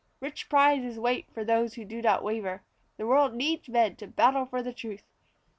Rich prizes wait for those who do not waver; The world needs men to battle for the truth.